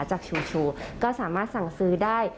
จากชูก็สามารถสั่งซื้อได้